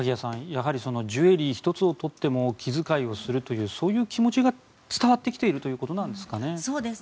やはりジュエリー１つを取っても気遣いをするというそういう気持ちが伝わってきているということなんですかね。